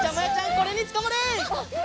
これにつかまれ！